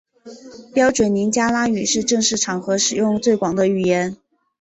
标准林加拉语是正式场合使用最广的语言。